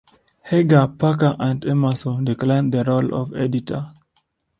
Hedge, Parker, and Emerson declined the role of editor.